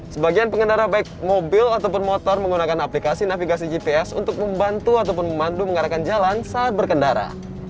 sebagian pengendara baik mobil ataupun motor menggunakan aplikasi navigasi gps untuk membantu ataupun memandu mengarahkan jalan saat berkendara